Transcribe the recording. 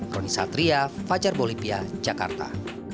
roni satria fajar bolivia jakarta